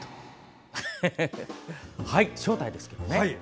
正体ですけどね